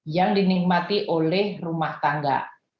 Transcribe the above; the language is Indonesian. yang dinikmati oleh rumah tangga